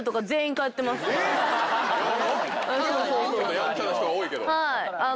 やんちゃな人が多いけど。